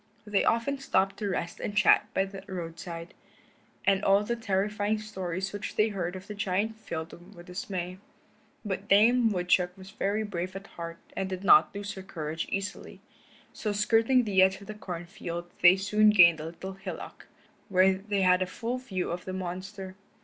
They often stopped to rest and chat by the roadside, and all the terrifying stories which they heard of the giant filled them with secret dismay. But Dame Woodchuck was very brave at heart and did not lose her courage easily. So skirting the edge of the corn field they soon gained a little hillock, where they had a full view of the monster.